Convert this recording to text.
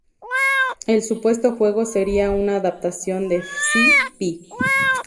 El supuesto juego sería una adaptación de Psy-Phi.